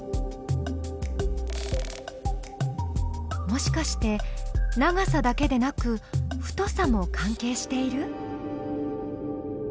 もしかして「長さ」だけでなく「太さ」も関係している？